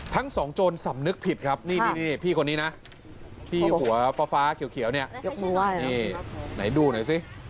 ทั้งสองโจรสำนึกผิดครับนี่พี่คนนี้นะที่หัวฟ้าเขียวเนี่ยนี่ไหนดูหน่อยสิ